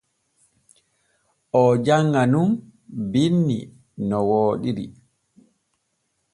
Oo janŋa nun binni no wooɗiri.